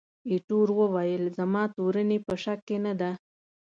ایټور وویل، زما تورني په شک کې نه ده.